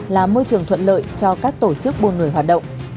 là môi trường thuận lợi cho các tổ chức buôn người hoạt động